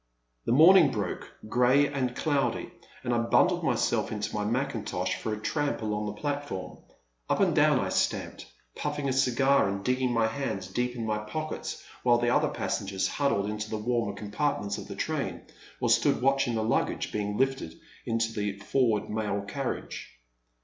The morning broke, grey and cloudy, and I bundled myself into my mackintosh for a tramp along the platform Up and down I stamped, puffing a cigar, and digging my hands deep in my pockets, while the other passengers huddled into the warmer compartments of the train or stood watching the luggage being lifted into the forward mail carriage.